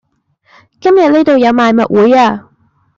今日呢道有賣物會呀